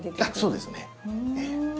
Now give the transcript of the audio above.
そうですね。